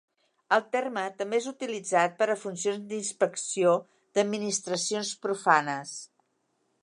El terme també és utilitzat per a funcions d'inspecció d'administracions profanes.